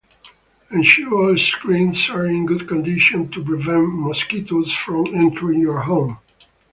Ensure all screens are in good condition to prevent mosquitoes from entering your home.